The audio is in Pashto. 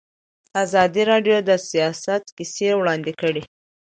ازادي راډیو د سیاست کیسې وړاندې کړي.